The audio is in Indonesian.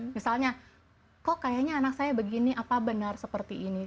misalnya kok kayaknya anak saya begini apa benar seperti ini